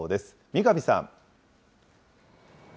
三上さん。